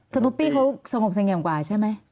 สนุปปี้เขาสงบสังเกตกว่าใช่ไหม